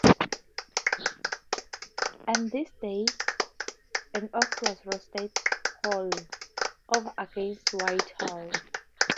And this day an ox was roasted whole, over against Whitehall.